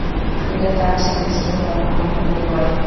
এটা তার ছেলে, শেখর, আমার হবু বর।